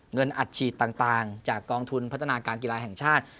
เงินอัดฉีดต่างจากกองทุนพัฒนาการกีฬาแห่งชาติ